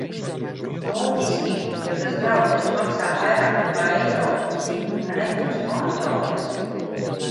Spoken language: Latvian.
Loģiski, ja tas brauciens maksā vairāk nekā eiro un zini, ka nebūs kontroles...